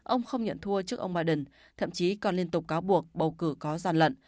ông không nhận thua trước ông biden thậm chí còn liên tục cáo buộc bầu cử có gian lận